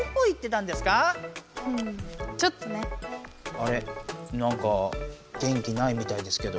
あれなんか元気ないみたいですけど。